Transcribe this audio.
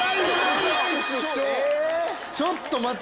ちょっと待て。